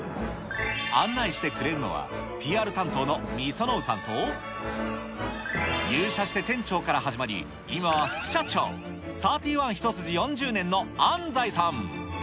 案内してくれるのは、ＰＲ担当の御園生さんと、入社して店長から始まり、今は副社長、サーティワン一筋４０年の安齊さん。